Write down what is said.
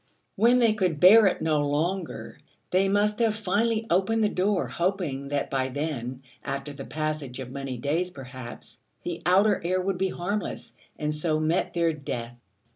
When they could bear it no longer, they must have finally opened the door, hoping that by then, after the passage of many days perhaps, the outer air would be harmless, and so met their death.